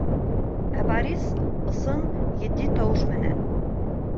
Ә Борис ысын, етди тауыш менән: